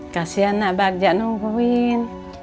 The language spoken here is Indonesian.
kasian nabagja nungguin